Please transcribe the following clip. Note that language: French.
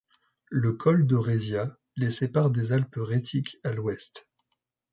Le col de Resia les sépare des Alpes rhétiques à l'ouest.